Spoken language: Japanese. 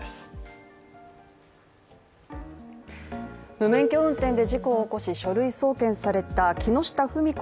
無免許運転で事故を起こし書類送検された木下富美子